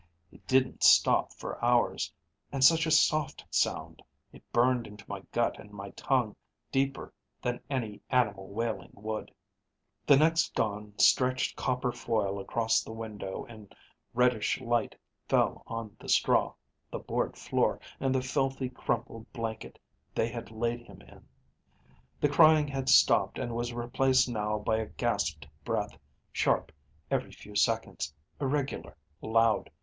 It didn't stop for hours, and such a soft sound, it burned into my gut and my tongue deeper than any animal wailing would. "The next dawn stretched copper foil across the window and reddish light fell on the straw, the board floor, and the filthy, crumpled blanket they had laid him in. The crying had stopped and was replaced now by a gasped breath, sharp every few seconds, irregular, loud.